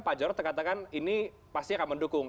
pak jarod terkatakan ini pasti akan mendukung